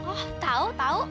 oh tahu tahu